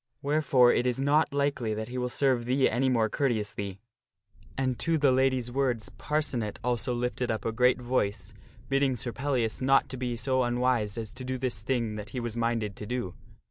Wherefore, it is not likely that he will serve thee any more courteously." And to the lady's words Parcenet also lifted up a great voice, bidding Sir Pellias not to be so unwise as to do this thing that he was minded to do.